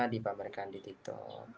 dipamerkan di tiktok